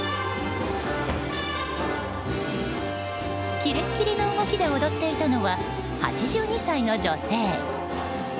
キレッキレの動きで踊っていたのは、８２歳の女性。